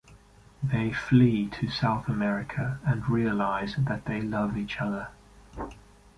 They flee to South America and realize that they love each other.